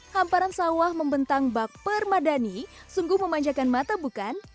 hamparan sawah membentang bak permadani sungguh memanjakan mata bukan